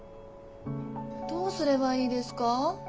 どうすれはいいですか？